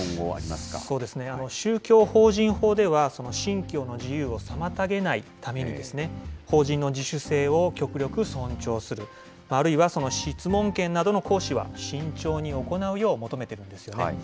宗教法人法では、信教の自由を妨げないために、法人の自主性を極力尊重する、あるいはその質問権などの行使は慎重に行うよう求めてるんですよね。